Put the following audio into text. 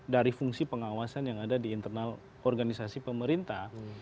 dari fungsi pengawasan yang ada di internal organisasi pemerintah